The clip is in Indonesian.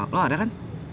lo ada kan